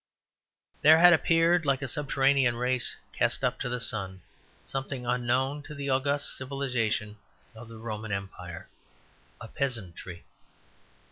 There had appeared, like a subterranean race cast up to the sun, something unknown to the august civilization of the Roman Empire a peasantry.